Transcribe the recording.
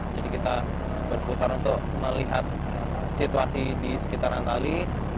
kita berputar untuk melihat situasi di sekitaran tali